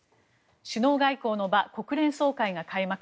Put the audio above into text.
首脳外交の場、国連総会が開幕。